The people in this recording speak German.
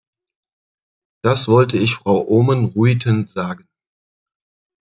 Das wollte ich Frau Oohmen-Ruijten sagen.